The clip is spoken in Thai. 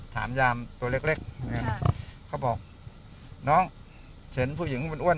ถามยามตัวเล็กเขาบอกน้องเห็นผู้หญิงมันอ้วน